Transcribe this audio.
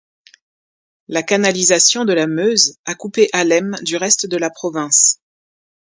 La canalisation de la Meuse a coupé Alem du reste de la province.